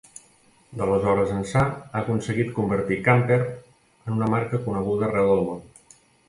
D'aleshores ençà ha aconseguit convertir Camper en una marca coneguda arreu del món.